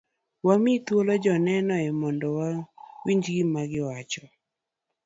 Wami thuolo joneneo mondo wawinj gima giwacho.